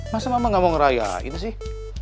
masa mama nggak mau ngerayain sih